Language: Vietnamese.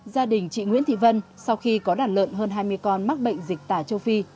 gia đình chị nguyễn thị vân sau khi có đàn lợn hơn hai mươi con mắc bệnh dịch tả châu phi